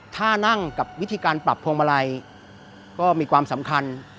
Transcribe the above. ถ้านั่งกับวิธีการปรับพวงมาลัยก็มีความสำคัญ